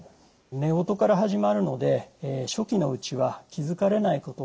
寝言から始まるので初期のうちは気づかれないことも多いと思います。